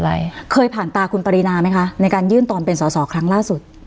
ขนาดนี้ไงระดับหนังคือเคยผ่านตาคุณปรินาไหมคะในการยื่นตอนเป็นสอสอครั้งล่าสุด